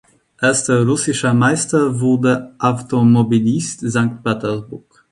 Erster russischer Meister wurde Awtomobilist Sankt Petersburg.